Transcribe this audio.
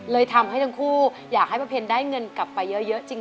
ทำให้ทั้งคู่อยากให้ประเพ็ญได้เงินกลับไปเยอะจริง